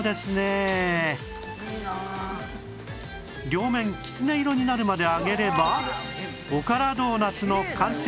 両面きつね色になるまで揚げればおからドーナツの完成